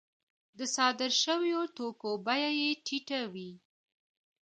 د صادر شویو توکو بیه یې ټیټه وي